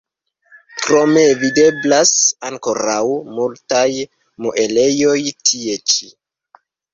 Krome videblas ankoraŭ multaj muelejoj tie ĉi.